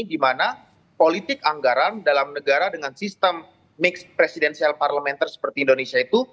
dimana politik anggaran dalam negara dengan sistem mix presidential parliamentar seperti indonesia itu